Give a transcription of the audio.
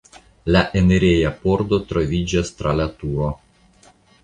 La enireja pordo troviĝas tra la turo.